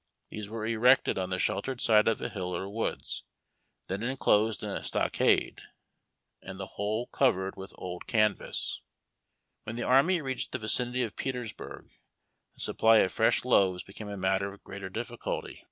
These were erected on the sheltered side of a hill or woods, then enclosed in a stockade, and the whole covered with old canvas. When the army reached the vicinity of Petersburg, the supply of fresh loaves became a matter of greater difficulty /li?.Vr BATIOXS.